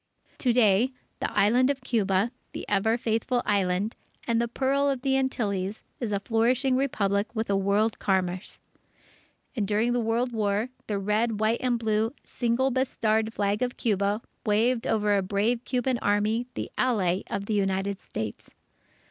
To day, the Island of Cuba the "Ever Faithful Island," the "Pearl of the Antilles," is a flourishing Republic with a world commerce. And during the World War, the red, white, and blue, single bestarred Flag of Cuba, waved over a brave Cuban Army, the ally of the United States.